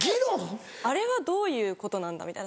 あれはどういうことなんだみたいな。